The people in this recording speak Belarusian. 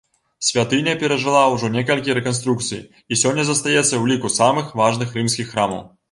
Святыня перажыла ўжо некалькі рэканструкцый і сёння застаецца ў ліку самых важных рымскіх храмаў.